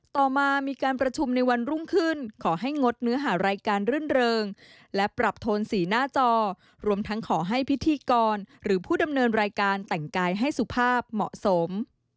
ต่อมามีการประชุมในวันรุ่งขึ้นขอให้งดเนื้อหารายการรื่นเริงและปรับโทนสีหน้าจอรวมทั้งขอให้พิธีกรหรือผู้ดำเนินรายการแต่งกายให้สุภาพเหมาะสม